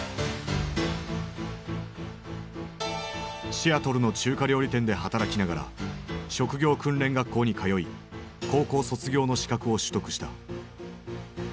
シアトルの中華料理店で働きながら職業訓練学校に通い高校卒業の資格を取得した。